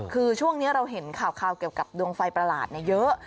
คือช่วงนี้เราเห็นข่าวเกี่ยวกับดวงไฟประหลาดเยอะ